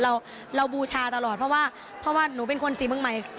เราบูชาตลอดเพราะว่าเพราะว่าหนูเป็นคนศรีเมืองใหม่